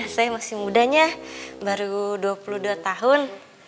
saya masih mudanya baru dua puluh dua tahun